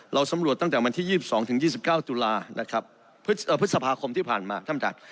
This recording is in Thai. เราสำรวจตั้งแต่วันที่๒๒๒๙ตุลานะครับพฤษภาคมที่ผ่านมาท่านประธาน